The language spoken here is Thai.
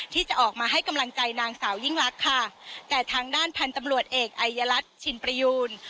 ที่จะออกมาให้กำลังใจนางสาวยิ่งลักษณ์ค่ะแต่ทางด้านพันธุ์ตำรวจเอกไอยรัฐชินประยูน